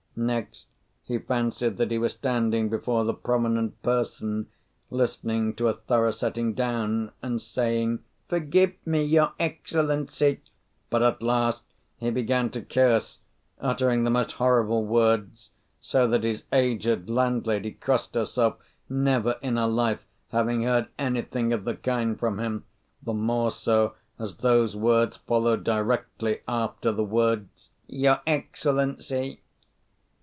Next he fancied that he was standing before the prominent person, listening to a thorough setting down, and saying, "Forgive me, your excellency!" but at last he began to curse, uttering the most horrible words, so that his aged landlady crossed herself, never in her life having heard anything of the kind from him, the more so as those words followed directly after the words "your excellency."